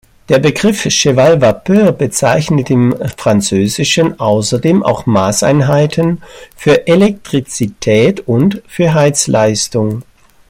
Der Begriff "cheval-vapeur" bezeichnet im Französischen außerdem auch Maßeinheiten für Elektrizität und für Heizleistung.